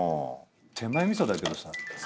手前味噌だけどさ。